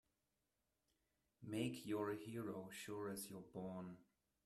Make you're a hero sure as you're born!